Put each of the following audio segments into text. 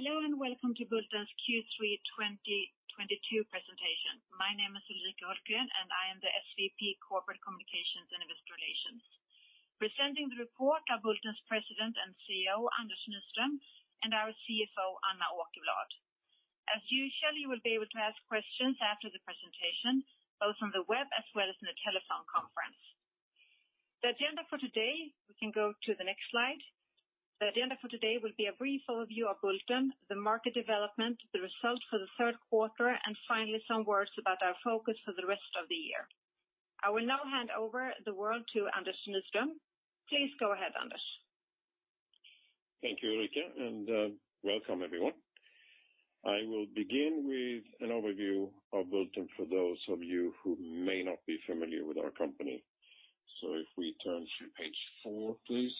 Hello, and welcome to Bulten's Q3 2022 presentation. My name is Ulrika Hultgren, and I am the SVP Corporate Communications and Investor Relations. Presenting the report are Bulten's President and CEO, Anders Nyström, and our CFO, Anna Åkerblad. As usual, you will be able to ask questions after the presentation, both from the web as well as in the telephone conference. The agenda for today, we can go to the next slide. The agenda for today will be a brief overview of Bulten, the market development, the results for the third quarter, and finally, some words about our focus for the rest of the year. I will now hand over the word to Anders Nyström. Please go ahead, Anders. Thank you, Ulrika, and, welcome everyone. I will begin with an overview of Bulten for those of you who may not be familiar with our company. If we turn to page four, please.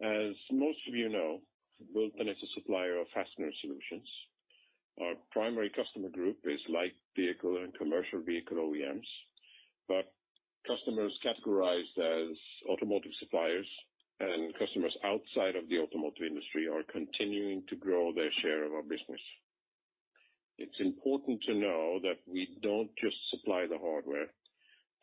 As most of you know, Bulten is a supplier of fastener solutions. Our primary customer group is light vehicle and commercial vehicle OEMs, but customers categorized as automotive suppliers and customers outside of the automotive industry are continuing to grow their share of our business. It's important to know that we don't just supply the hardware.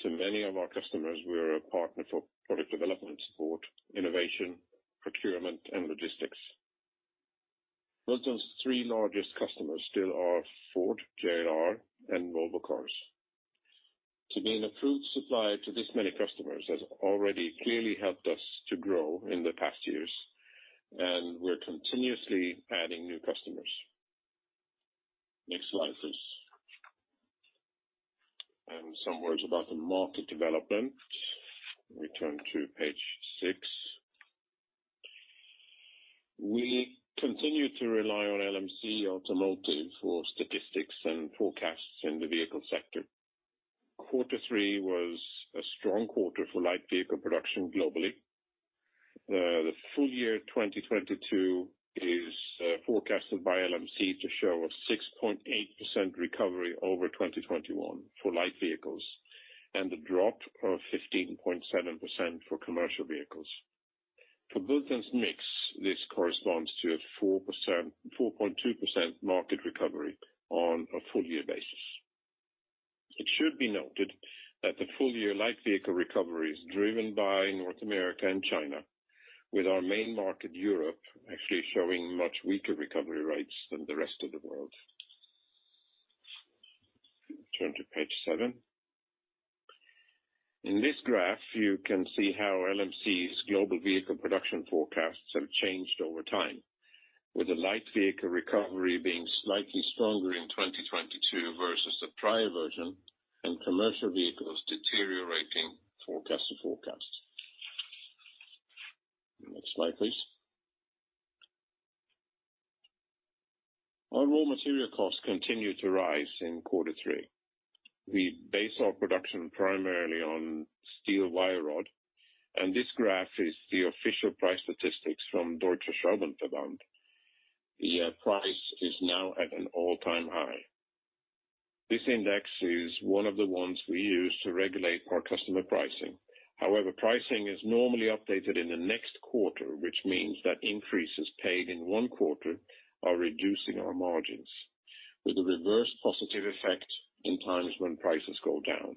To many of our customers, we're a partner for product development support, innovation, procurement, and logistics. Bulten's three largest customers still are Ford, JLR, and Volvo Cars. To be an approved supplier to this many customers has already clearly helped us to grow in the past years, and we're continuously adding new customers. Next slide, please. Some words about the market development. We turn to page six. We continue to rely on LMC Automotive for statistics and forecasts in the vehicle sector. Quarter three was a strong quarter for light vehicle production globally. The full year 2022 is forecasted by LMC to show a 6.8% recovery over 2021 for light vehicles and a drop of 15.7% for commercial vehicles. For Bulten's mix, this corresponds to a 4.2% market recovery on a full year basis. It should be noted that the full year light vehicle recovery is driven by North America and China, with our main market, Europe, actually showing much weaker recovery rates than the rest of the world. Turn to page seven. In this graph, you can see how LMC's global vehicle production forecasts have changed over time, with the light vehicle recovery being slightly stronger in 2022 versus the prior version and commercial vehicles deteriorating forecast to forecast. Next slide, please. Our raw material costs continue to rise in quarter three. We base our production primarily on steel wire rod, and this graph is the official price statistics from Deutscher Schraubenverband. The price is now at an all-time high. This index is one of the ones we use to regulate our customer pricing. However, pricing is normally updated in the next quarter, which means that increases paid in one quarter are reducing our margins with a reverse positive effect in times when prices go down.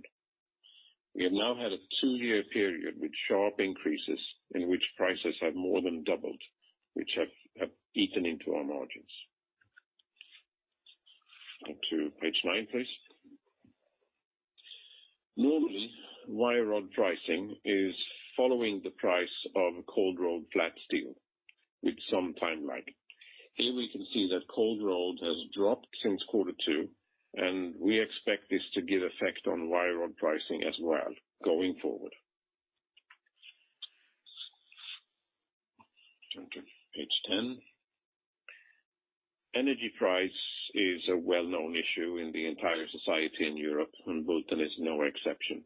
We have now had a two-year period with sharp increases in which prices have more than doubled, which have eaten into our margins. On to page nine, please. Normally, wire rod pricing is following the price of cold-rolled flat steel with some time lag. Here, we can see that cold-rolled has dropped since quarter two, and we expect this to give effect on wire rod pricing as well going forward. Turn to page 10. Energy price is a well-known issue in the entire society in Europe, and Bulten is no exception.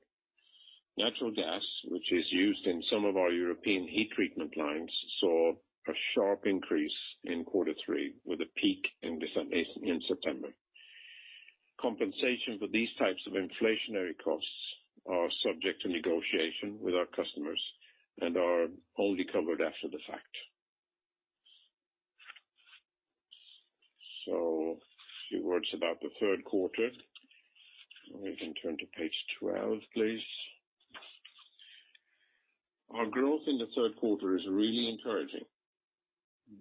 Natural gas, which is used in some of our European heat treatment lines, saw a sharp increase in quarter three with a peak in September. Compensation for these types of inflationary costs are subject to negotiation with our customers and are only covered after the fact. A few words about the third quarter, and we can turn to page twelve, please. Our growth in the third quarter is really encouraging,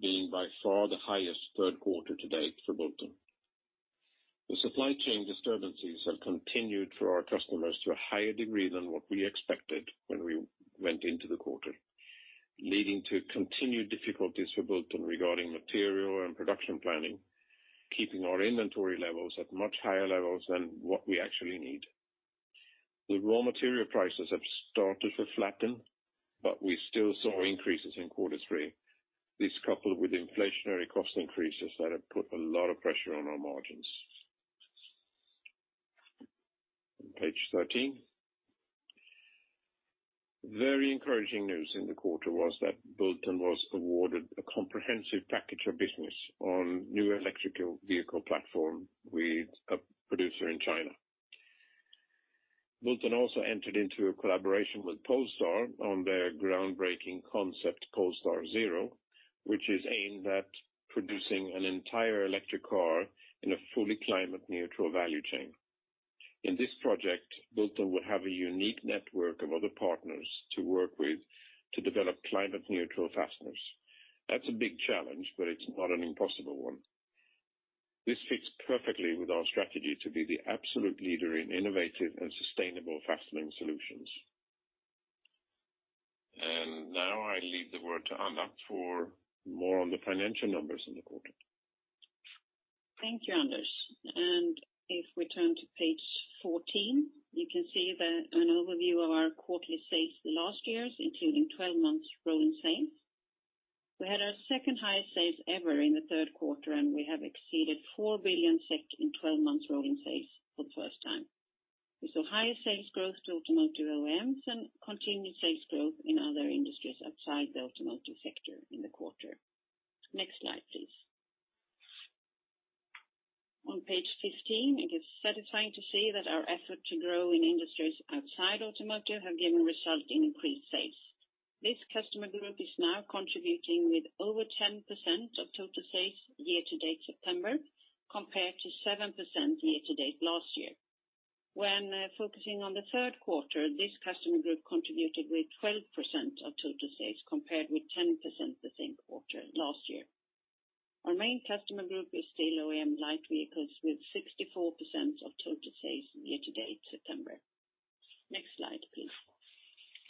being by far the highest third quarter to date for Bulten. The supply chain disturbances have continued for our customers to a higher degree than what we expected when we went into the quarter, leading to continued difficulties for Bulten regarding material and production planning, keeping our inventory levels at much higher levels than what we actually need. The raw material prices have started to flatten, but we still saw increases in quarter three. This coupled with inflationary cost increases that have put a lot of pressure on our margins. On page 13. Very encouraging news in the quarter was that Bulten was awarded a comprehensive package of business on new electric vehicle platform with a producer in China. Bulten also entered into a collaboration with Polestar on their groundbreaking concept, Polestar 0, which is aimed at producing an entire electric car in a fully climate neutral value chain. In this project, Bulten will have a unique network of other partners to work with to develop climate neutral fasteners. That's a big challenge, but it's not an impossible one. This fits perfectly with our strategy to be the absolute leader in innovative and sustainable fastening solutions. Now I leave the word to Anna for more on the financial numbers in the quarter. Thank you, Anders. If we turn to page 14, you can see an overview of our quarterly sales the last years, including 12 months rolling sales. We had our second highest sales ever in the third quarter, and we have exceeded 4 billion SEK in 12 months rolling sales for the first time. We saw higher sales growth to automotive OEMs and continued sales growth in other industries outside the automotive sector in the quarter. Next slide, please. On page 15, it is satisfying to see that our effort to grow in industries outside automotive have given result in increased sales. This customer group is now contributing with over 10% of total sales year to date September, compared to 7% year to date last year. When focusing on the third quarter, this customer group contributed with 12% of total sales compared with 10% the same quarter last year. Our main customer group is still OEM light vehicles with 64% of total sales year-to-date September. Next slide, please.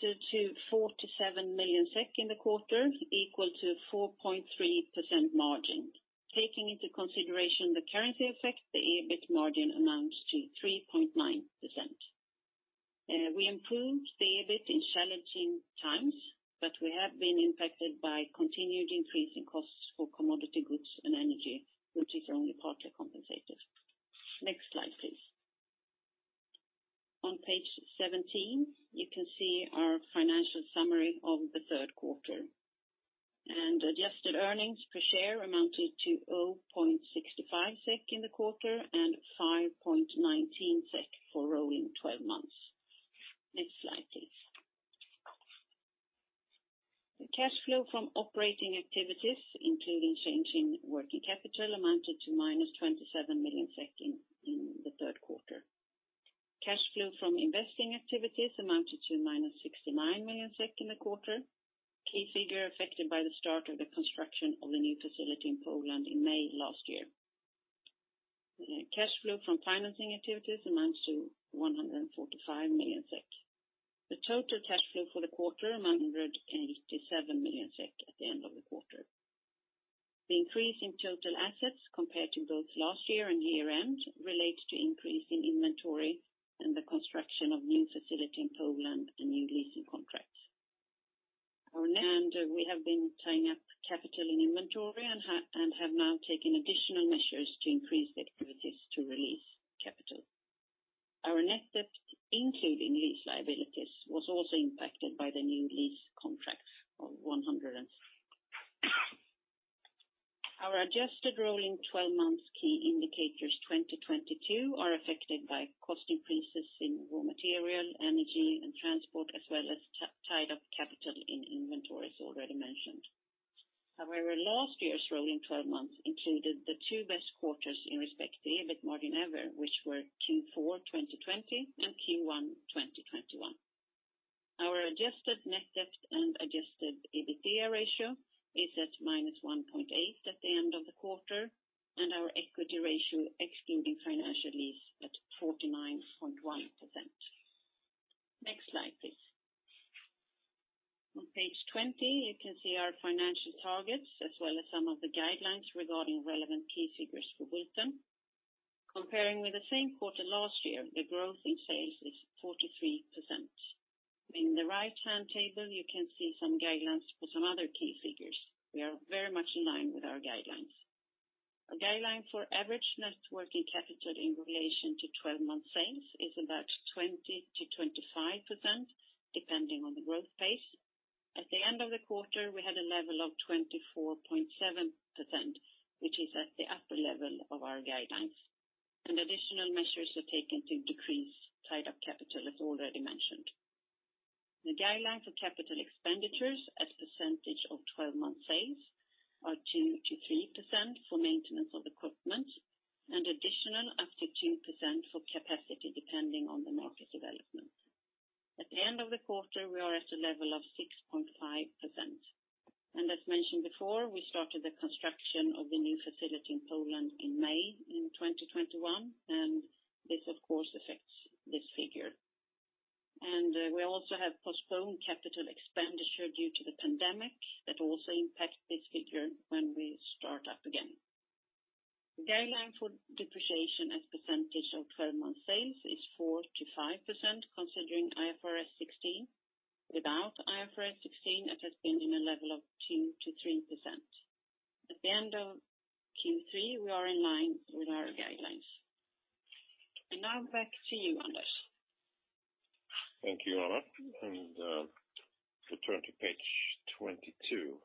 To 47 million SEK in the quarter, equal to 4.3% margin. Taking into consideration the currency effect, the EBIT margin amounts to 3.9%. We improved the EBIT in challenging times, but we have been impacted by continued increase in costs for commodity goods and energy, which is only partly compensated. Next slide, please. On page 17, you can see our financial summary of the third quarter, and adjusted earnings per share amounted to 0.65 SEK in the quarter and 5.19 SEK for rolling 12 months. Next slide, please. The cash flow from operating activities, including change in working capital, amounted to -27 million in the third quarter. Cash flow from investing activities amounted to -69 million SEK in the quarter. Key figure affected by the start of the construction of a new facility in Poland in May last year. Cash flow from financing activities amounts to 145 million SEK. The total cash flow for the quarter amounted to 87 million SEK at the end of the quarter. The increase in total assets compared to both last year and year-end relates to increase in inventory and the construction of new facility in Poland and new leasing contracts. We have been tying up capital in inventory and have now taken additional measures to increase the activities to release capital. Our net debt, including lease liabilities, was also impacted by the new lease contracts. Our adjusted rolling twelve months key indicators 2022 are affected by cost increases in raw material, energy and transport, as well as tied up capital in inventory, as already mentioned. However, last year's rolling twelve months included the two best quarters in respect to EBIT margin ever, which were Q4 2020 and Q1 2021. Our adjusted net debt and adjusted EBITDA ratio is at -1.8 at the end of the quarter, and our equity ratio excluding financial lease at 49.1%. Next slide, please. On page 20, you can see our financial targets as well as some of the guidelines regarding relevant key figures for Bulten. Comparing with the same quarter last year, the growth in sales is 43%. In the right-hand table, you can see some guidelines for some other key figures. We are very much in line with our guidelines. A guideline for average net working capital in relation to 12-month sales is about 20%-25%, depending on the growth pace. At the end of the quarter, we had a level of 24.7%, which is at the upper level of our guidelines, and additional measures were taken to decrease tied up capital, as already mentioned. The guidelines for capital expenditures as percentage of 12-month sales are 2%-3% for maintenance of equipment and additional up to 2% for capacity, depending on the market development. At the end of the quarter, we are at a level of 6.5%. As mentioned before, we started the construction of the new facility in Poland in May 2021, and this of course affects this figure. We also have postponed capital expenditure due to the pandemic that also impacts this figure when we start up again. The guideline for depreciation as percentage of 12-month sales is 4%-5% considering IFRS 16. Without IFRS 16, it has been in a level of 2%-3%. At the end of Q3, we are in line with our guidelines. Now back to you, Anders. Thank you, Anna. If we turn to page 22.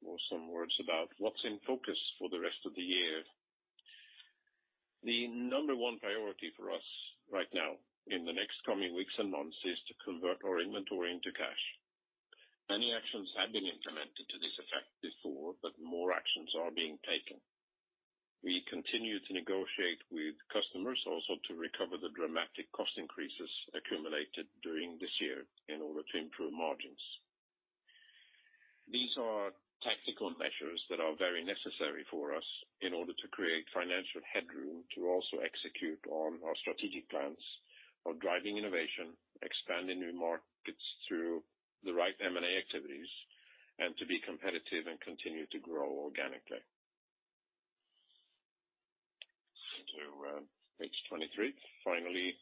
Or some words about what's in focus for the rest of the year. The number one priority for us right now in the next coming weeks and months is to convert our inventory into cash. Many actions have been implemented to this effect before, but more actions are being taken. We continue to negotiate with customers also to recover the dramatic cost increases accumulated during this year in order to improve margins. These are tactical measures that are very necessary for us in order to create financial headroom to also execute on our strategic plans of driving innovation, expand in new markets through the right M&A activities, and to be competitive and continue to grow organically. To page 23. Finally,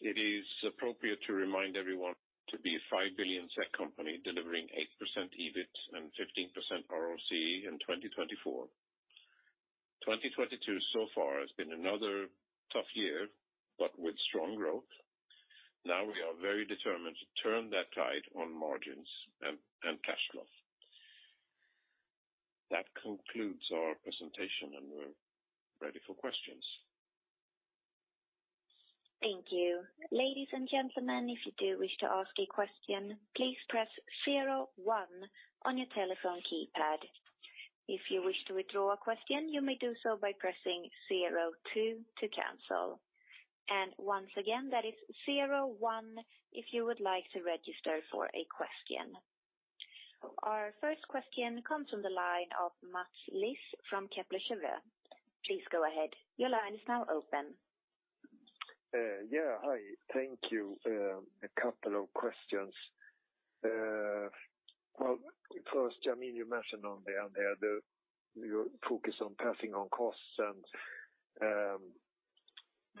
it is appropriate to remind everyone to be a 5 billion company delivering 8% EBIT and 15% ROCE in 2024. 2022 so far has been another tough year, but with strong growth. Now we are very determined to turn that tide on margins and cash flow. That concludes our presentation, and we're ready for questions. Thank you. Ladies and gentlemen, if you do wish to ask a question, please press zero one on your telephone keypad. If you wish to withdraw a question, you may do so by pressing zero two to cancel. Once again, that is zero one if you would like to register for a question. Our first question comes from the line of Mats Liss from Kepler Cheuvreux. Please go ahead. Your line is now open. Yeah, hi. Thank you. A couple of questions. Well, first, I mean, you mentioned on there, your focus on passing on costs and,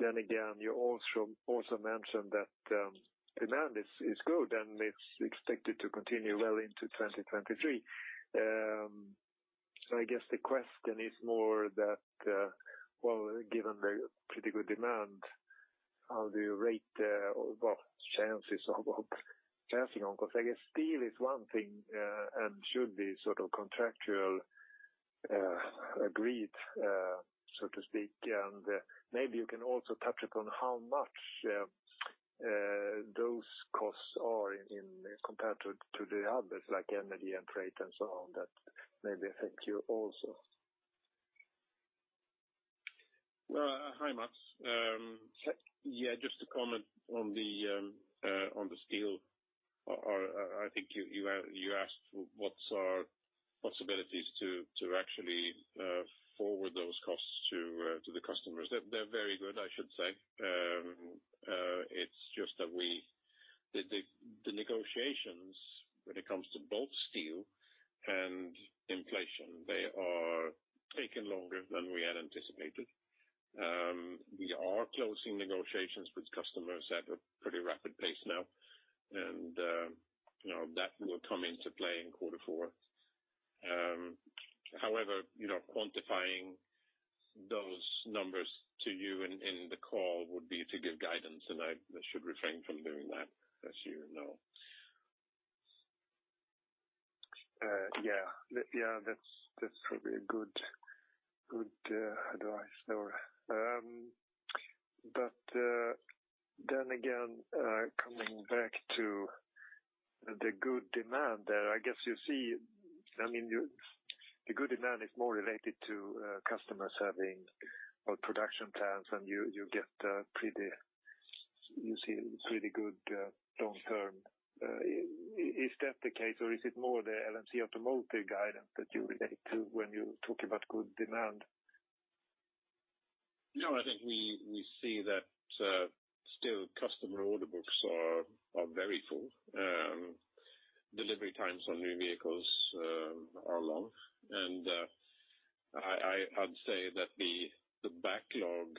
then again, you also mentioned that, demand is good, and it's expected to continue well into 2023. I guess the question is more that, well, given the pretty good demand, how do you rate, well, chances of passing on? 'Cause I guess steel is one thing, and should be sort of contractual, agreed, so to speak. Maybe you can also touch upon how much those costs are in compared to the others like energy and freight and so on, that maybe affect you also. Well, hi, Mats. Yeah, just to comment on the steel. I think you asked what's our possibilities to actually forward those costs to the customers. They're very good, I should say. It's just that the negotiations when it comes to both steel and inflation, they are taking longer than we had anticipated. We are closing negotiations with customers at a pretty rapid pace now, and you know, that will come into play in quarter four. However, you know, quantifying those numbers to you in the call would be to give guidance, and I should refrain from doing that as you know. Yeah, that's probably a good advice, though. Coming back to the good demand, I guess you see, I mean, the good demand is more related to customers having production plans and you get, you see, pretty good long term. Is that the case, or is it more the LMC Automotive guidance that you relate to when you talk about good demand? No, I think we see that still customer order books are very full. Delivery times on new vehicles are long. I'd say that the backlog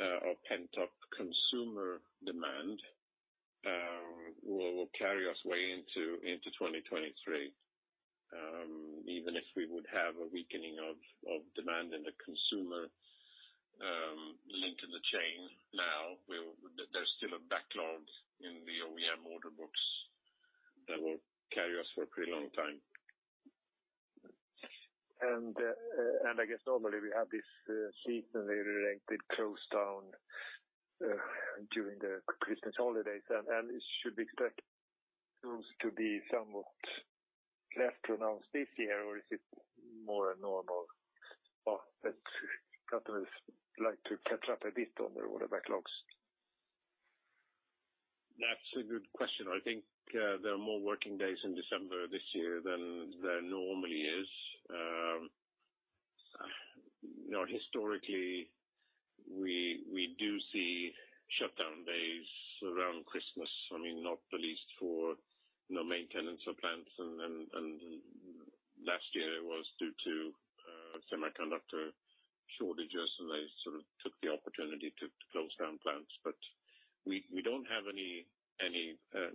of pent-up consumer demand will carry us way into 2023. Even if we would have a weakening of demand in the consumer link in the chain now, there's still a backlog in the OEM order books that will carry us for a pretty long time. I guess normally we have this seasonally related slowdown during the Christmas holidays. It should be expected to be somewhat less pronounced this year, or is it more normal for those customers like to catch up a bit on their order backlogs? That's a good question. I think there are more working days in December this year than there normally is. You know, historically, we do see shutdown days around Christmas. I mean, not the least for the maintenance of plants. Last year it was due to semiconductor shortages, and they sort of took the opportunity to close down plants. We don't have any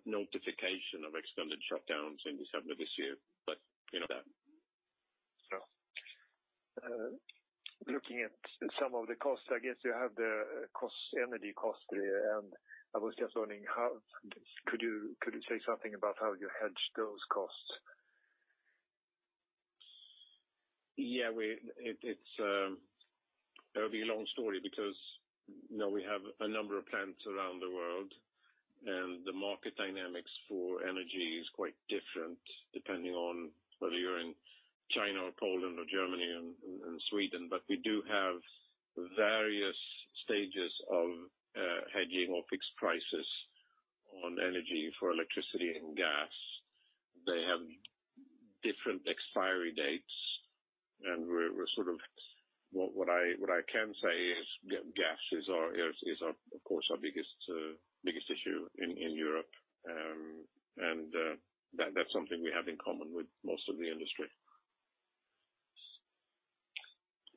notification of extended shutdowns in December this year, but Looking at some of the costs, I guess you have the cost, energy cost there, and I was just wondering, could you say something about how you hedge those costs? Yeah, it'll be a long story because, you know, we have a number of plants around the world, and the market dynamics for energy is quite different depending on whether you're in China or Poland or Germany and Sweden. We do have various stages of hedging or fixed prices on energy for electricity and gas. They have different expiry dates. What I can say is gas is our biggest issue in Europe. That's something we have in common with most of the industry.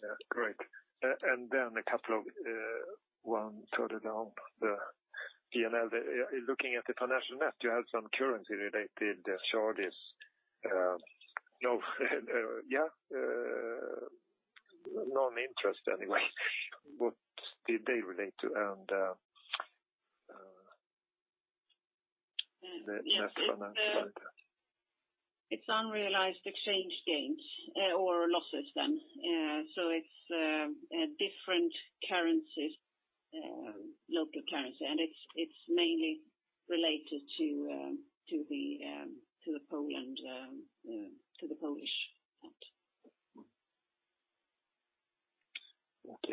Yeah, great. A couple of one further down the P&L. Looking at the financial net, you had some currency related charges. Non-interest anyway. What did they relate to, and the net finance charges? It's unrealized exchange gains or losses then. It's different currencies, local currency, and it's mainly related to the Polish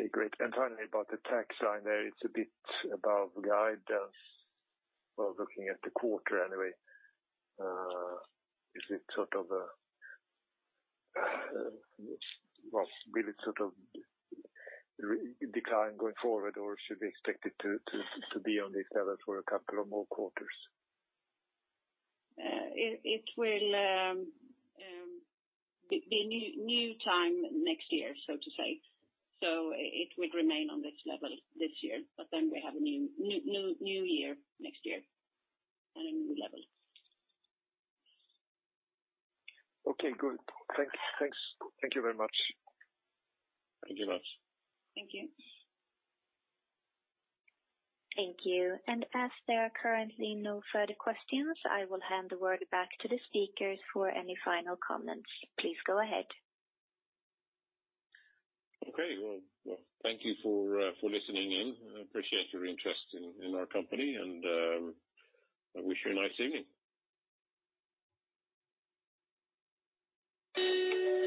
plant. Okay, great. Finally, about the tax line there, it's a bit above guide, well, looking at the quarter anyway. Well, will it sort of re-decline going forward, or should we expect it to be on this level for a couple of more quarters? It will be new time next year, so to say. It would remain on this level this year, but then we have a new year next year and a new level. Okay, good. Thanks. Thank you very much. Thank you very much. Thank you. Thank you. As there are currently no further questions, I will hand the word back to the speakers for any final comments. Please go ahead. Okay. Well, thank you for listening in. I appreciate your interest in our company and I wish you a nice evening.